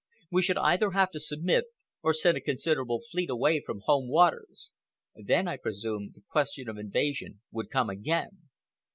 We should either have to submit or send a considerable fleet away from home waters. Then, I presume, the question of invasion would come again.